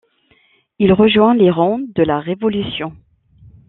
Il rejoint les rangs de la Révolution.